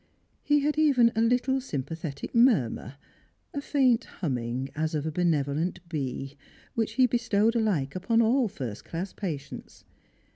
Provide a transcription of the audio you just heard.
He had even a httle sympathetic murmur, a faint humming, as of a benevolent bee, which he bestowed alike upon all first class patients.